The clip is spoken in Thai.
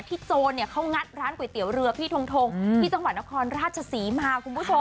โจรเขางัดร้านก๋วยเตี๋ยวเรือพี่ทงที่จังหวัดนครราชศรีมาคุณผู้ชม